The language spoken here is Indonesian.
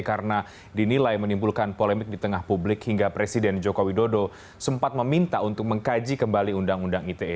karena dinilai menimbulkan polemik di tengah publik hingga presiden jokowi dodo sempat meminta untuk mengkaji kembali undang undang ite